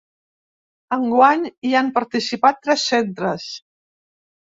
Enguany hi han participat tres centres.